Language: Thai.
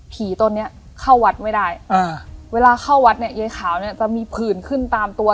ต้นเนี้ยเข้าวัดไม่ได้อ่าเวลาเข้าวัดเนี่ยยายขาวเนี่ยจะมีผื่นขึ้นตามตัว